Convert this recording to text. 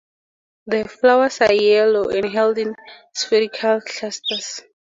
The flowers are yellow, and held in spherical clusters.